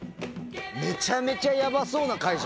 めちゃめちゃやばそうな会じ